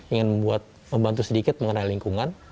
ingin membuat membantu sedikit mengenai lingkungan